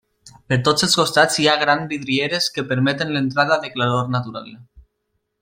Per tots els costats hi ha gran vidrieres que permeten l'entrada de claror natural.